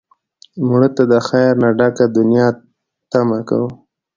مړه ته د خیر نه ډکه دنیا تمه کوو